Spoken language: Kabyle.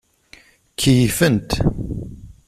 Keyyfent.